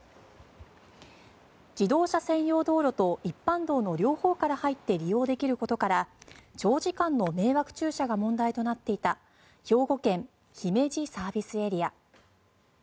自動車専用道路と一般道の両方から入って利用できることから長時間の迷惑駐車が問題となっていた兵庫県、姫路ＳＡ。